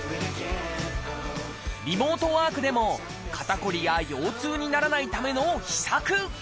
リモートワークでも肩こりや腰痛にならないための秘策。